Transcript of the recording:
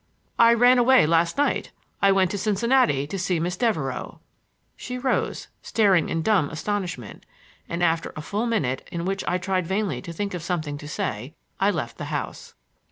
"I ran away, last night. I went to Cincinnati to see Miss Devereux." She rose, staring in dumb astonishment, and after a full minute in which I tried vainly to think of something to say, I left the house.